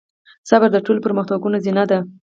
صبر د ټولو پرمختګونو زينه ده.